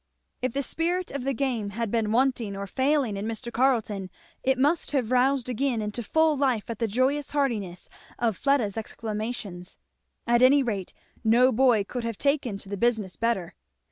If the spirit of the game had been wanting or failing in Mr. Carleton, it must have roused again into full life at the joyous heartiness of Fleda's exclamations. At any rate no boy could have taken to the business better.